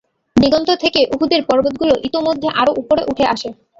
দিগন্ত থেকে উহুদের পর্বতগুলো ইতোমধ্যে আরো উপরে উঠে আসে।